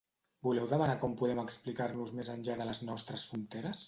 Voleu demanar com podem explicar-nos més enllà de les nostres fronteres?